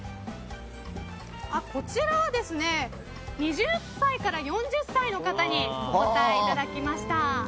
こちらは２０歳から４０歳の方にお答えいただきました。